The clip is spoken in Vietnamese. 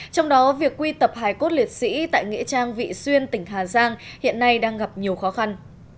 trong đó việc quy tập hải cốt liệt sĩ tại nghĩa trang vị xuyên tỉnh hà giang hiện nay đang gặp nhiều khó khăn